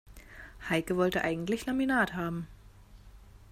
Heike wollte eigentlich Laminat haben.